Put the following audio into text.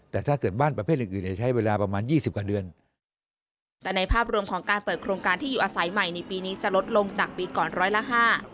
แต่ในภาพรวมของการเปิดโครงการที่อยู่อาศัยใหม่ในปีนี้จะลดลงจากปีก่อนร้อยละ๕